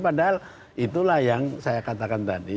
padahal itulah yang saya katakan tadi